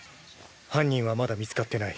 犯人はまだ見つかってない。